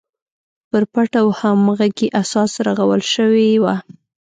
پر پټ او همغږي اساس رغول شوې وه.